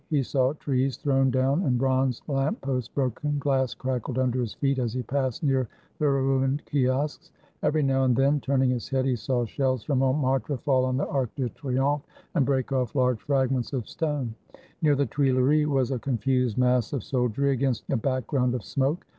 He saw trees thrown down and bronze lamp posts broken; glass crackled under his feet as he passed near the ruined kiosques. Every now and then turning his head he saw shells from Montmartre fall on the Arc de Triomphe and break off large fragments of stone. Near the Tuileries was a con fused mass of soldiery against a background of smoke.